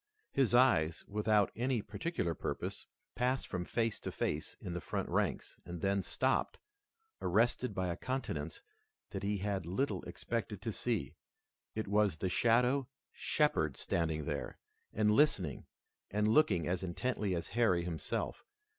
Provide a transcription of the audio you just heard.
His eyes, without any particular purpose, passed from face to face in the front ranks, and then stopped, arrested by a countenance that he had little expected to see. It was the shadow, Shepard, standing there, and listening, and looking as intently as Harry himself.